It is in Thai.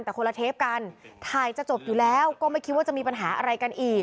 แต่คนละเทปกันถ่ายจะจบอยู่แล้วก็ไม่คิดว่าจะมีปัญหาอะไรกันอีก